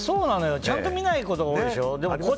ちゃんと見ないことが多いでしょう。